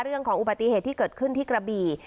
เรื่องของอุบัติเหตุที่เกิดขึ้นที่กระบี่